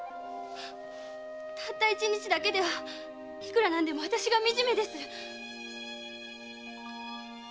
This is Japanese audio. たった一日だけでは私がいくら何でもみじめです。